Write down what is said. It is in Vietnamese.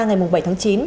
ngày bảy tháng chín